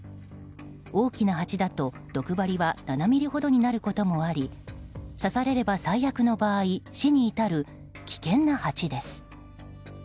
大きなハチだと、毒針は７ｍｍほどになることもあり刺されれば最悪の場合死に至る危険なハチです。